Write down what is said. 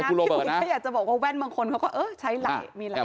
ไม่ได้เป็นเข้าข้างอะไรนะพี่อยากจะบอกว่าแว่นบางคนเขาก็เออใช้ไหล่มีหลายอัน